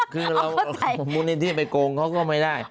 คือเรามูลนิธิไปโกงเขาก็ไม่ได้